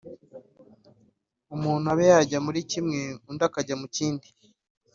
umuntu abe yajya muri kimwe undi akajya mu kindi